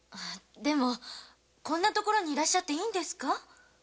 でもこんな所にいらっしゃっていいんですか？